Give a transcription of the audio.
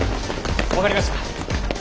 分かりました。